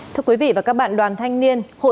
thưa quý vị và các bạn đoàn thanh niên